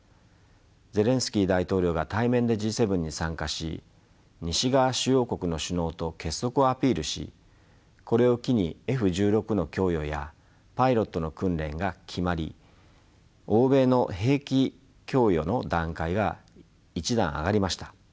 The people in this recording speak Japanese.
ゼレンスキー大統領が対面でＧ７に参加し西側主要国の首脳と結束をアピールしこれを機にＦ１６の供与やパイロットの訓練が決まり欧米の兵器供与の段階が１段上がりました。